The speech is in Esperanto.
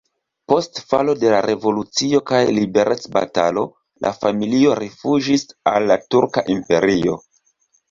Post falo de la revolucio kaj liberecbatalo la familio rifuĝis al la Turka Imperio.